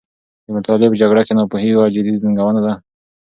د مطالعې په جګړه کې، ناپوهي یوه جدي ننګونه ده.